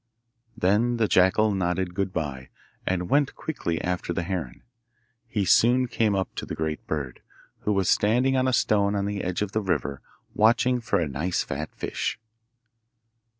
Then the jackal nodded good bye, and went quickly after the heron. He soon came up to the great bird, who was standing on a stone on the edge of the river watching for a nice fat fish.